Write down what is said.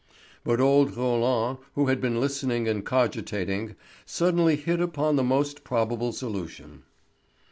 But old Roland, who had been listening and cogitating, suddenly hit upon the most probable solution.